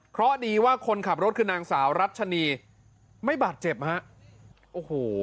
ข้อดีว่าคนขับรถคืนนังสาวรัชฌาณีไม่บาดเจ็บไหมฮะ